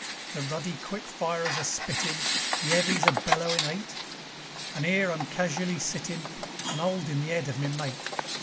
The ruddy quick firers are spittin', The 'eavies are bellowin' 'ate, And 'ere I am cashooly sittin', And 'oldin' the 'ead of me mate.